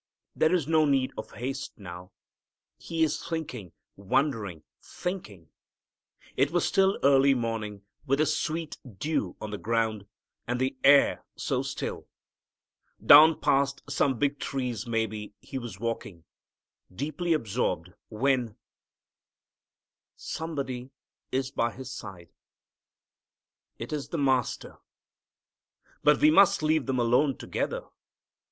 There is no need of haste now. He is thinking, wondering, thinking. It was still early morning, with the sweet dew on the ground, and the air so still. Down past some big trees maybe he was walking, deeply absorbed, when Somebody is by his side. It is the Master! But we must leave them alone together.